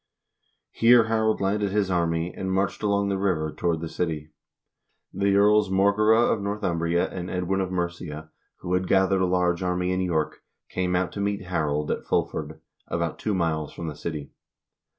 Here Harald landed his army, and marched along the river towards the city. The earls Morkere of Northumbria and Edwin of Mercia, who had gathered a large army in York, came out to meet Harald at Fulford, about two miles from the city.